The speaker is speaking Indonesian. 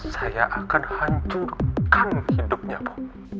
saya akan hancurkan hidupnya bu